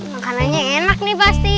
makanannya enak nih pasti